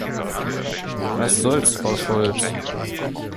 Was soll's, Frau Scholz.